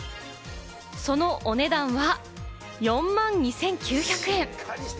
そのお値段は４万２９００円。